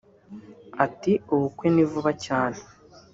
Ati “Ubukwe ni vuba cyane